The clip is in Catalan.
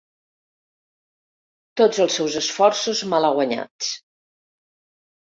Tots els seus esforços malaguanyats!